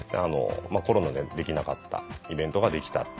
コロナでできなかったイベントができたっていう。